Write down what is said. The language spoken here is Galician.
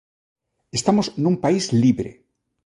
Estamos nun país libre.